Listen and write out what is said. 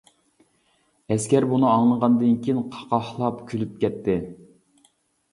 ئەسكەر بۇنى ئاڭلىغاندىن كېيىن قاقاھلاپ كۈلۈپ كەتتى!